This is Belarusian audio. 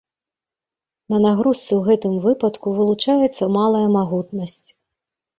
На нагрузцы ў гэтым выпадку вылучаецца малая магутнасць.